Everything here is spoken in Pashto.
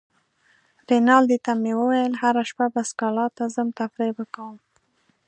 رینالډي ته مې وویل: هره شپه به سکالا ته ځم، تفریح به کوم.